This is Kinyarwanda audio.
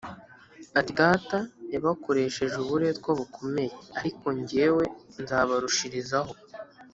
ati “Data yabakoresheje uburetwa bukomeye ,ariko jyewe nzabarushirizaho